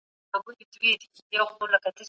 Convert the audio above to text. ته به غزل ورته لیکې څوک یې په کار نه لري